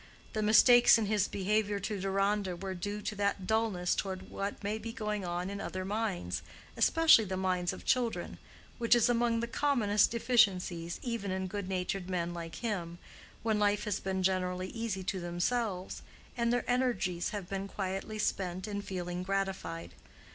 The mistakes in his behavior to Deronda were due to that dullness toward what may be going on in other minds, especially the minds of children, which is among the commonest deficiencies, even in good natured men like him, when life has been generally easy to themselves, and their energies have been quietly spent in feeling gratified.